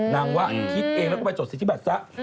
นางวัคคิดเองไปจดสิทธิบัตรสัส